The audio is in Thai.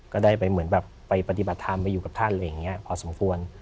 ก็ได้ไปเหมือนแบบไปปฏิบัติธรรมไปอยู่กับท่านอะไรอย่างนี้พอสมควร